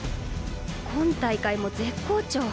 今大会も絶好調。